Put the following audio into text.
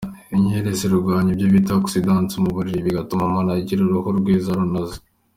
Inkeri : Zirwanya ibyo bita "oxydants" mu mubiri bigatuma umuntu agira uruhu rwiza runoze.